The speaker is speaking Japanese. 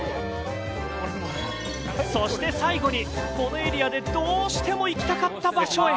そして最後に、このエリアでどうしても行きたかった場所へ。